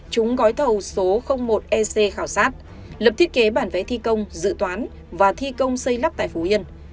chúng gói thầu số một ec khảo sát lập thiết kế bản vẽ thi công dự toán và thi công xây lắp tại phú yên